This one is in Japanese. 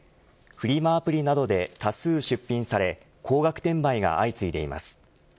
フリマアプリなどで多数出品され高額転売が相次いでいます。